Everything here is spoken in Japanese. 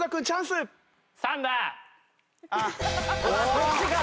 そっちか！